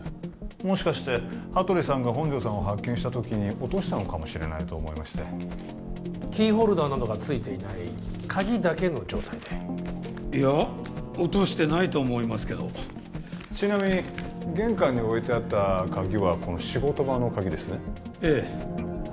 もしかして羽鳥さんが本条さんを発見した時に落としたのかもしれないと思いましてキーホルダーなどがついていない鍵だけの状態でいや落としてないと思いますけどちなみに玄関に置いてあった鍵はこの仕事場の鍵ですねええ